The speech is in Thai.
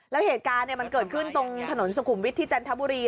แล้วเหตุการณ์มันเกิดขึ้นตรงถนนสุขุมวิทย์ที่จันทบุรี